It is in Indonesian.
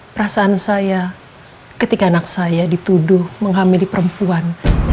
perasaan saya ketika anak saya dituduh menghamili perempuan